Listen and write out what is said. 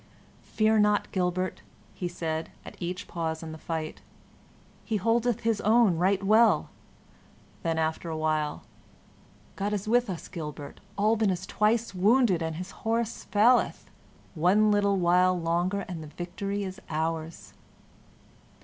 "Fear not, Gilbert," said he at each pause in the fight. "He holdeth his own right well." Then, after a while: "God is with us, Gilbert. Alban is twice wounded and his horse faileth. One little while longer and the victory is ours!"